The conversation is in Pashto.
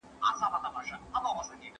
څېړونکي د فیلر د تزریق خطرونه څېړي.